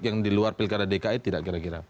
yang di luar pilkada dki tidak kira kira